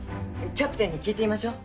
キャプテンに聞いてみましょう。